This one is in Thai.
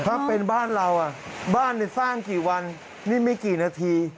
ถ้าเป็นบ้านเราอ่ะบ้านสร้างกี่วันนี่ไม่กี่นาที